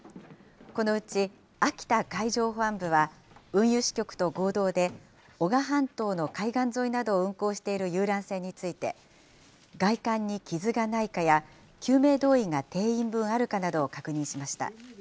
このうち秋田海上保安部は、運輸支局と合同で、男鹿半島の海岸沿いなどを運航している遊覧船について、外観に傷がないかや救命胴衣が定員分あるかなどを確認しました。